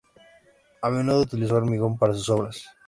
A menudo utilizó hormigón para sus obras.